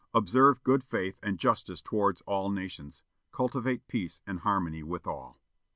Observe good faith and justice towards all nations. Cultivate peace and harmony with all."